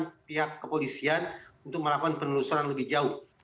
dengan pihak kepolisian untuk melakukan penelusuran lebih jauh